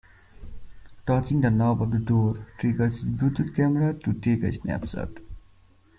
Touching the knob of the door triggers this Bluetooth camera to take a snapshot.